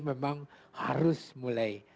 memang harus mulai